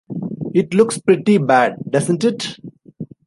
It looks pretty bad, doesn't it?